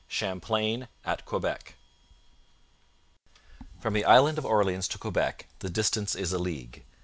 CHAMPLAIN AT QUEBEC From the Island of Orleans to Quebec the distance is a league.